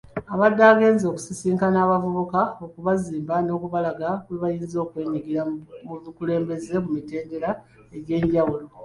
Abadde agenze kusisinkana abavubuka okubazimba n'okubalaga bwe bayinza okwenyigira mu bukulembeze mu mitendera egy'enjawulo.